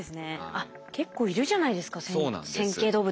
あっ結構いるじゃないですか線形動物。